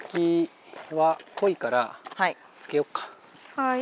はい。